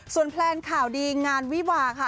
แพลนข่าวดีงานวิวาค่ะ